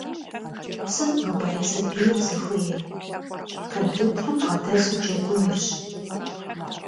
Сыт нобэрей сабийр зыхуейр? Компьютерым бгъэдэсу джэгунырщ.